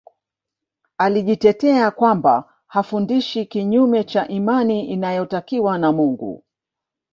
Alijitetea kwamba hafundishi kinyume cha imani inayotakiwa na Mungu